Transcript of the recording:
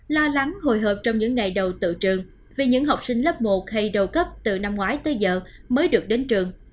lo lắng hồi hộp trong những ngày đầu tự trường vì những học sinh lớp một hay đầu cấp từ năm ngoái tới giờ mới được đến trường